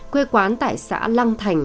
quê quán tại xã lăng thành